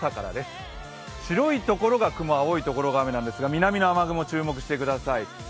白いところが雲青いところが雨なんですが南の雨雲、注目してください。